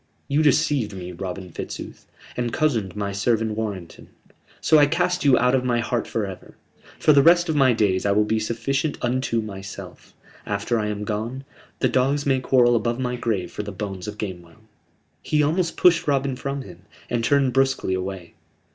You deceived me, Robin Fitzooth, and cozened my servant Warrenton. So I cast you out of my heart for ever. For the rest of my days I will be sufficient unto myself: after I am gone, the dogs may quarrel above my grave for the bones of Gamewell." He almost pushed Robin from him, and turned brusquely away.